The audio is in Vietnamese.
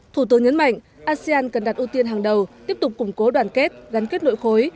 thủ tướng nhấn mạnh asean cần đặt ưu tiên hàng đầu tiếp tục củng cố đoàn kết gắn kết nội khối